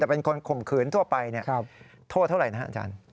แต่เป็นคนข่มขืนทั่วไปโทษเท่าไหร่นะครับอาจารย์